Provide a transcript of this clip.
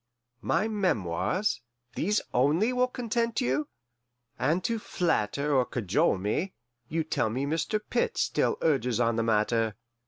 My memoirs these only will content you? And to flatter or cajole me, you tell me Mr. Pitt still urges on the matter.